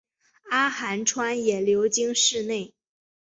阿寒川也流经市内。